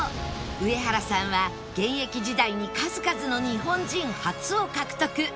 上原さんは現役時代に数々の日本人初を獲得